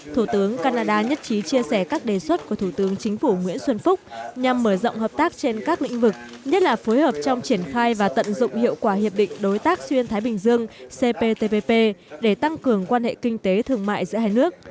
thủ tướng canada nhất trí chia sẻ các đề xuất của thủ tướng chính phủ nguyễn xuân phúc nhằm mở rộng hợp tác trên các lĩnh vực nhất là phối hợp trong triển khai và tận dụng hiệu quả hiệp định đối tác xuyên thái bình dương cptpp để tăng cường quan hệ kinh tế thương mại giữa hai nước